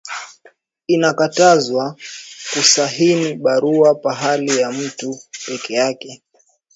Inakatazwa ku sahini barua phali ya mutu peke yake